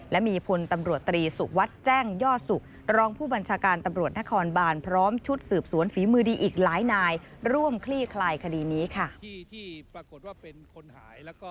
และมีพลตำรวจตรีสุวัสดิ์แจ้งยอดสุขรองผู้บัญชาการตำรวจนครบานพร้อมชุดสืบสวนฝีมือดีอีกหลายนายร่วมคลี่คลายคดีนี้ค่ะ